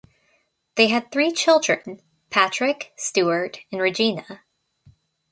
They had three children: Patrick, Stewart and Regina.